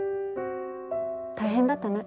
大変だったね。